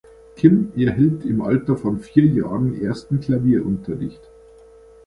Kim erhielt im Alter von vier Jahren ersten Klavierunterricht.